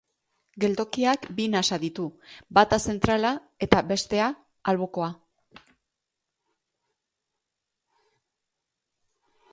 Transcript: Geltokiak bi nasa ditu, bata zentrala eta bestea albokoa.